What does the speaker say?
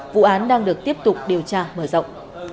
vụ án đang được tiếp tục điều tra mở rộng